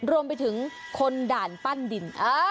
รวมไปถึงคนด่านปั้นดิน